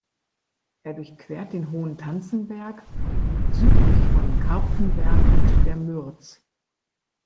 Er durchquert den hohen Tanzenberg, liegt südlich von Kapfenberg und der Mürz.